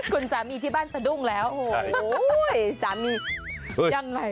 คุณสามีที่บ้านสะดุ้งแล้วโอ้โหสามียังไง